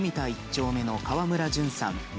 １丁目の川村純さん